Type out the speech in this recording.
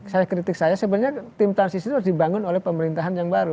saya kritik saya sebenarnya tim transisi itu harus dibangun oleh pemerintahan yang baru